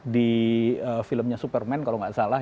di filmnya superman kalau nggak salah